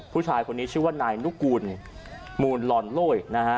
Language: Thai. ผู้ชายคนนี้ชื่อว่านายนุกูลมูลลอนโลยนะฮะ